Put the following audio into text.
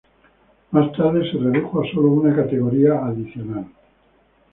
Más tarde se redujo a sólo una categoría adicional.